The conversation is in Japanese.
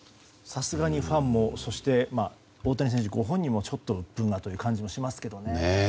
さすがにファンもそして、大谷選手ご本人もちょっとという感じがしますけどね。